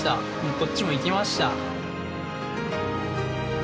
こっちもいきました。